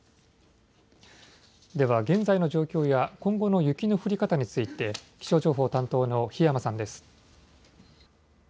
では現在の状況や今後の雪の降り方について気象情報担当の檜山さんです。